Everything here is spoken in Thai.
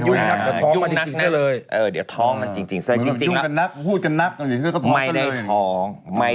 ยุ่งนักเดี๋ยวท้องมันจริงซะเลย